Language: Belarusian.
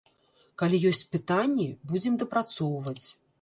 Калі ёсць пытанні, будзем дапрацоўваць.